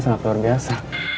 sangat luar biasa